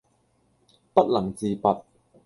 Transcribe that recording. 不能自拔